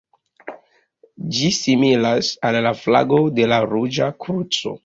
Ĝi similas al la flago de la Ruĝa Kruco.